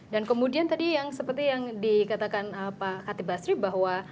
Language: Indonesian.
dan kemudian tadi yang seperti yang dikatakan pak hatip basri bahwa